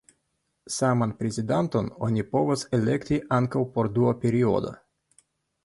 Saman prezidanton oni povas elekti ankaŭ por dua periodo.